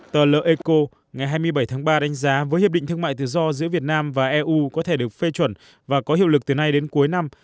tờ l eco ngày hai mươi bảy tháng ba đánh giá với hiệp định thương mại tự do giữa việt nam và eu có thể được phê chuẩn và có hiệu lực từ nay đến cuối năm